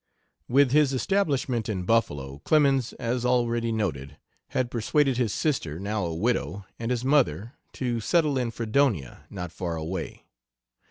With his establishment in Buffalo, Clemens, as already noted, had persuaded his sister, now a widow, and his mother, to settle in Fredonia, not far away.